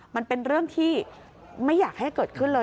มันเป็นเรื่องที่ไม่อยากให้เกิดขึ้นเลย